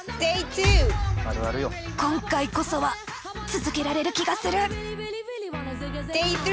今回こそは続けられる気がする。